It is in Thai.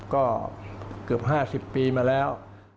ก็เกือบ๕๐ปีมาแล้ว